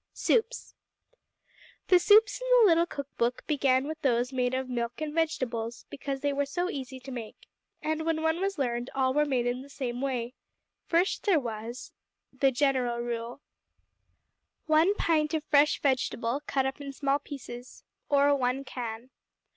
SOUPS The soups in the little cook book began with those made of milk and vegetables, because they were so easy to make, and, when one was learned, all were made in the same way. First there was The General Rule 1 pint of fresh vegetable, cut up in small pieces, or one can.